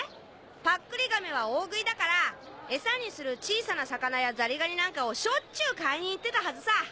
パックリ亀は大食いだからエサにする小さな魚やザリガニなんかをしょっちゅう買いに行ってたはずさ！